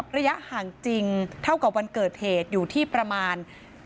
ระยะห่างจริงเท่ากับวันเกิดเหตุอยู่ที่ประมาณ